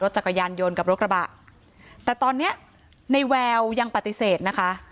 จักรยานยนต์กับรถกระบะแต่ตอนเนี้ยในแววยังปฏิเสธนะคะ